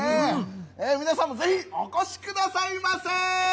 皆さんもぜひ、お越しくださいませ。